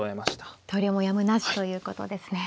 投了もやむなしということですね。